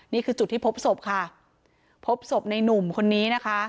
นี่คือจุดที่พบศพค่ะพบศพในหนุ่มคนนี้นะคะ